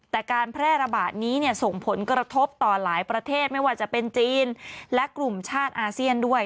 แต่การแพร่ระบาดนี้เนี่ยส่งผลกระทบต่อหลายประเทศไม่ว่าจะเป็นจีนและกลุ่มชาติอาเซียนด้วย